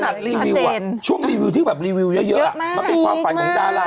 รีวิวช่วงรีวิวที่แบบรีวิวเยอะมันเป็นความฝันของดารา